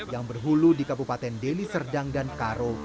yang berhulu di kabupaten deli serdang dan karo